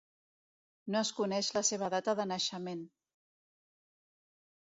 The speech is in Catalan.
No es coneix la seva data de naixement.